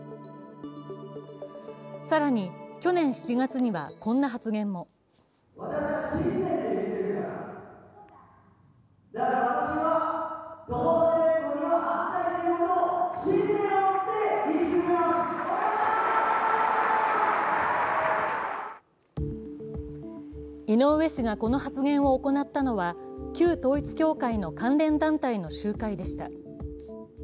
更に去年７月には、こんな発言も井上氏が、この発言を行ったのは旧統一教会の関連団体の集会でした。